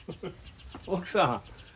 奥さん。